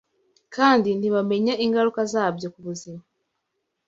kandi ntibamenya ingaruka zabyo ku buzima